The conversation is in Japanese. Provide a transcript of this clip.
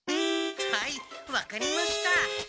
はい分かりました。